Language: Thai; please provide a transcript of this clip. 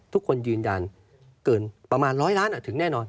ทุกคนยืนยันเกินประมาณ๑๐๐ล้านถึงแน่นอน